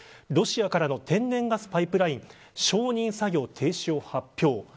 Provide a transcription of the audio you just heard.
ロシアからの天然ガスパイプライン承認作業の停止を発表。